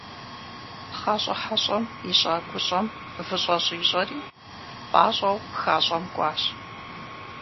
Пхъащӏэ хьэщӏэм ищӏа гущӏэм выщӏэ щӏищӏэри, пӏащӏэу пхащӏэм кӏуащ.